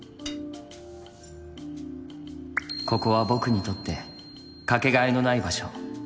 「ここは僕にとってかけがえのない場所。